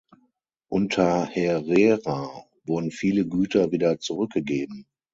Unter Herrera wurden viele Güter wieder zurückgegeben.